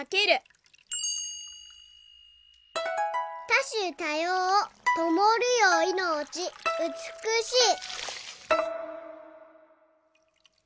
「たしゅたようともるよいのちうつくしい」。